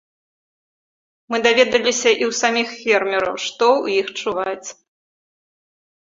Мы даведаліся і ў саміх фермераў, што ў іх чуваць.